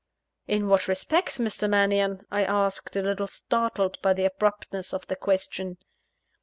"In what respect, Mr. Mannion?" I asked, a little startled by the abruptness of the question.